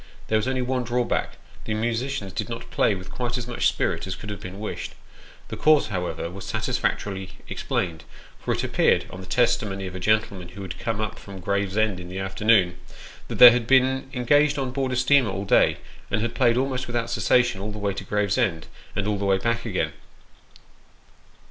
There was only one drawback the musicians did not play with quite as much spirit as could have been wished. The cause, however, was satisfactorily explained ; for it appeared, on the testimony of a gentleman who had come up from Gravesend in the afternoon, that they had been engaged on board a steamer all day, and had played almost without cessation all the way to Gravesend, and all the way back again.